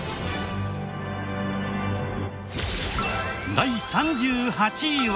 第３８位は。